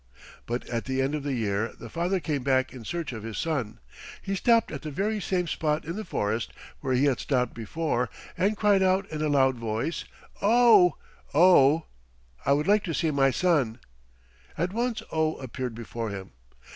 But at the end of the year the father came back in search of his son. He stopped at the very same spot in the forest where he had stopped before and cried out in a loud voice, "Oh! Oh! I would like to see my son." At once Oh appeared before him.